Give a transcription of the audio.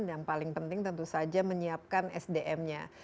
yang paling penting tentu saja menyiapkan sdm nya